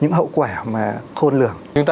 những hậu quả khôn lường